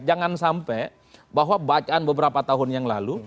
jangan sampai bahwa bacaan beberapa tahun yang lalu